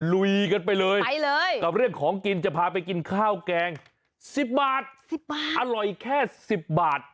ลุยกันไปเลยกับเรื่องของกินจะพาไปกินข้าวแกง๑๐บาท๑๐บาทอร่อยแค่๑๐บาท